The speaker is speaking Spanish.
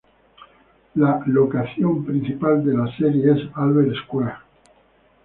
La locación principal de la serie es Albert Square.